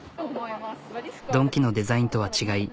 ドンキのデザインとは違い